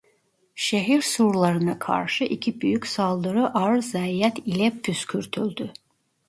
Şehir surlarına karşı iki büyük saldırı ağır zayiat ile püskürtüldü.